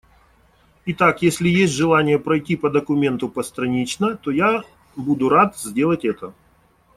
Итак, если есть желание пройти по документу постранично, то я буду рад сделать это.